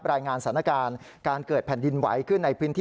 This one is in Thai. รายงานสถานการณ์การเกิดแผ่นดินไหวขึ้นในพื้นที่